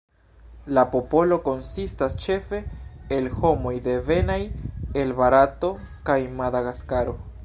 La popolo konsistas ĉefe el homoj devenaj el Barato kaj Madagaskaro.